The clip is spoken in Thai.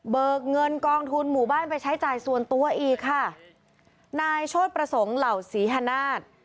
เงินกองทุนหมู่บ้านไปใช้จ่ายส่วนตัวอีกค่ะนายโชธประสงค์เหล่าศรีฮนาศ